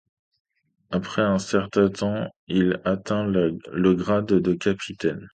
Après un certain temps, il atteint le grade de capitaine.